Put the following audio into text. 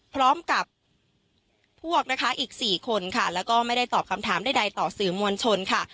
พร้อมกับพวกนะคะอีก๔คนค่ะแล้วก็ไม่ได้ตอบคำถามใดต่อสื่อมวลชนค่ะ